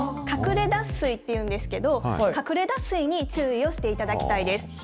隠れ脱水というんですけど、隠れ脱水に注意をしていただきたいです。